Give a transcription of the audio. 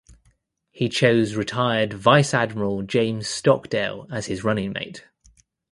He chose retired Vice Admiral James Stockdale as his running mate.